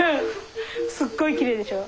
すっごいきれいでしょう。